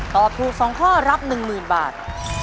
ตอบถูก๒ข้อรับ๑๐๐๐บาท